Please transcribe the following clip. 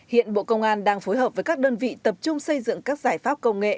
hiện bộ công an đang phối hợp với các đơn vị tập trung xây dựng các giải pháp công nghệ